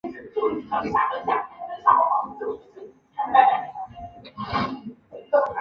圣阿莱舒是葡萄牙波塔莱格雷区的一个堂区。